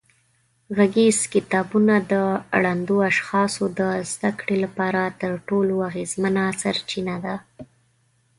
غږیز کتابونه د ړندو اشخاصو د زده کړې لپاره تر ټولو اغېزمنه سرچینه ده.